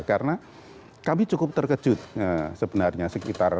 karena kami cukup terkejut sebenarnya sekitar ini